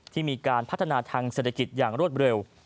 ที่มีการพัฒนาทางเศรษฐกิจอย่างรวดเร็ว